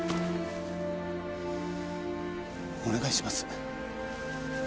お願いします。